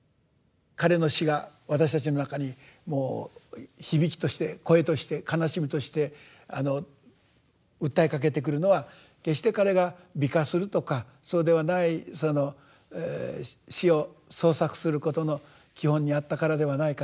彼の詩が私たちの中にもう響きとして声として悲しみとして訴えかけてくるのは決して彼が美化するとかそうではないその詩を創作することの基本にあったからではないかと。